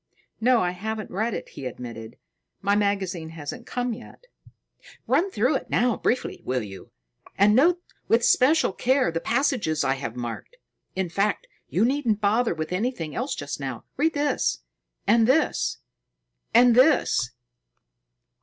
"No, I haven't read it," he admitted. "My magazine hasn't come yet." "Run through it now briefly, will you? And note with especial care the passages I have marked. In fact, you needn't bother with anything else just now. Read this and this and this."